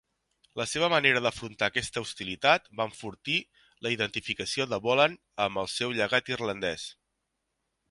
La seva manera d'afrontar aquesta hostilitat va enfortir la identificació de Boland amb el seu llegat irlandès.